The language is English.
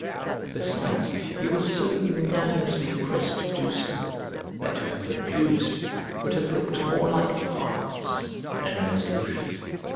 Besides, you were so unanimously pressed to do so that to have refused would have looked more like hardness than resolution.